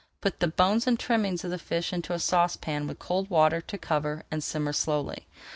Put the bones and trimmings of the fish into a saucepan with cold water to cover and simmer slowly.